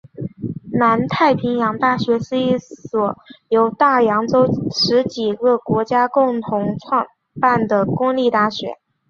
南太平洋大学是一所由大洋洲十几个国家共同创办的公立大学。